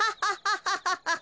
ハハハハハ！